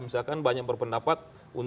misalkan banyak berpendapat